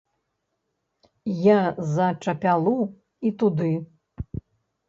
Я за чапялу, і туды.